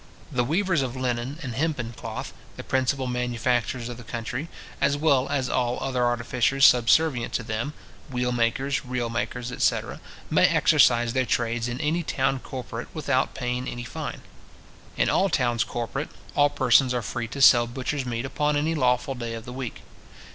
The weavers of linen and hempen cloth, the principal manufactures of the country, as well as all other artificers subservient to them, wheel makers, reel makers, etc. may exercise their trades in any town corporate without paying any fine. In all towns corporate, all persons are free to sell butchers' meat upon any lawful day of the week.